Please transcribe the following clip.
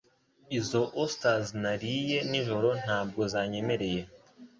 Izo osters nariye nijoro ntabwo zanyemereye